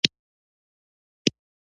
یانې له صادراتو څخه یې واردات زیات وي